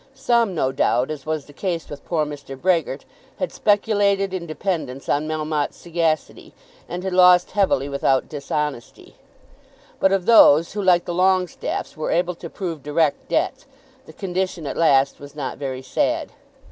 Some, no doubt, as was the case with poor Mr. Brehgert, had speculated in dependence on Melmotte's sagacity, and had lost heavily without dishonesty. But of those who, like the Longestaffes, were able to prove direct debts, the condition at last was not very sad.